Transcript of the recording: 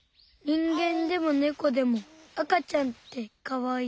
人間でもネコでもあかちゃんってかわいい。